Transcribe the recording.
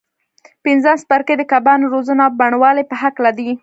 پنځم څپرکی د کبانو روزنه او بڼوالۍ په هکله دی.